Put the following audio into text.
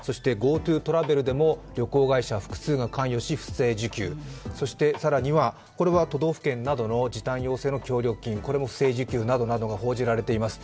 ＧｏＴｏトラベルでも旅行会社複数が関与し不正受給、更には都道府県などへの時短要請の不正受給、これも不正受給などなどが報じられています。